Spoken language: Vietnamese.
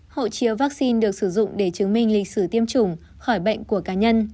hộ chiếu vaccine được sử dụng để chứng minh lịch sử tiêm chủng khỏi bệnh của cá nhân